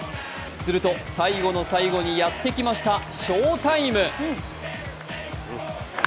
すると最後の最後にやってきました、翔タイム。